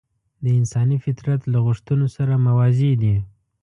د انساني فطرت له غوښتنو سره موازي دي.